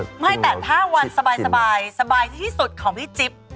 ไม่แต่ถ้าวันสบายที่สุดของพี่จิ๊บ